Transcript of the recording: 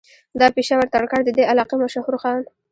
دا پېشه ور ترکاڼ د دې علاقې مشهور خان